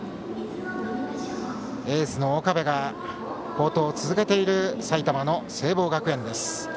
エースの岡部が好投を続けている埼玉の聖望学園です。